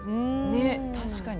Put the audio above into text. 確かに。